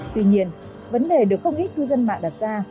tuy nhiên vấn đề được không ít cư dân mạng đặt ra